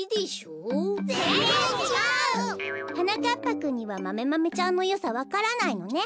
ぜんぜんちがう！はなかっぱくんにはマメマメちゃんのよさわからないのね。